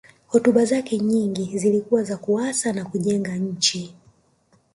hotuba zake nyingi zilikuwa za kuasa na kujenga nchi